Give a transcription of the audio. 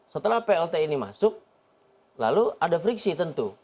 setelah plt ini masuk lalu ada friksi tentu